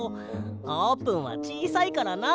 あーぷんはちいさいからな。